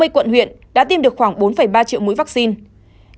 hai mươi quận huyện đã tiêm được khoảng bốn ba triệu mũi vaccine